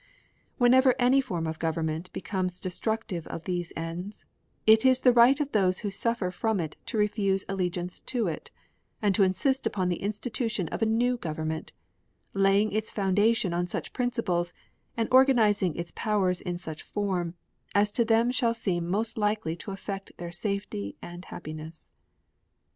Whenever any form of government becomes destructive of these ends, it is the right of those who suffer from it to refuse allegiance to it, and to insist upon the institution of a new government, laying its foundation on such principles, and organizing its powers in such form, as to them shall seem most likely to effect their safety and happiness.